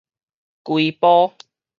整埔